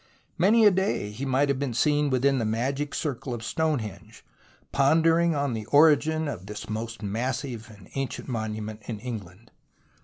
Many a day he might have been seen within the magic circle of Stonehenge, ponder •v t.S iv", ing on the origin of the most massive ancient *^ monument in England.